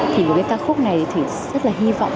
thì với cái ca khúc này thì rất là hy vọng